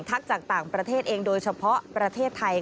จากต่างประเทศเองโดยเฉพาะประเทศไทย